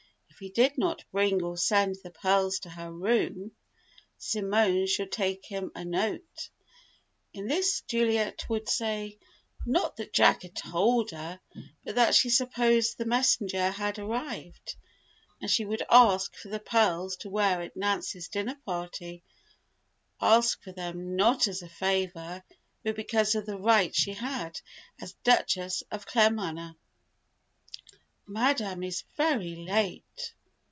If he did not bring or send the pearls to her room, Simone should take him a note. In this, Juliet would say, not that Jack had told her, but that she "supposed the messenger had arrived," and she would ask for the pearls to wear at Nancy's dinner party ask for them not as a favour, but because of the right she had, as Duchess of Claremanagh. "Madame is very late!"